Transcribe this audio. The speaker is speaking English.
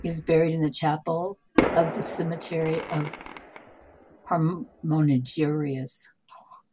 He is buried in the chapel of the Cemetery of Hormigueros.